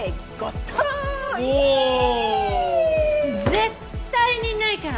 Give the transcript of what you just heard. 絶対にないから！